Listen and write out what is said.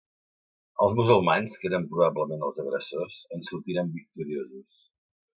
Els musulmans, que eren probablement els agressors, en sortiren victoriosos.